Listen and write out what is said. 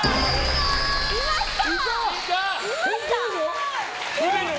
いました！